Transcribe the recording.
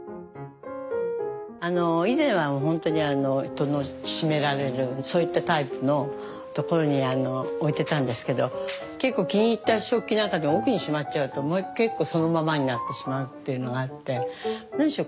以前はほんとに戸の閉められるそういったタイプのところに置いてたんですけど結構気に入った食器なんか奥にしまっちゃうともう結構そのままになってしまうっていうのがあって何しろ